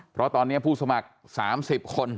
เพราะตอนนี้ผู้สมัคร๓๐คน